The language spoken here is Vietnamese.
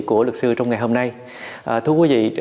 của lực sư trong ngày hôm nay ờ thưa quý vị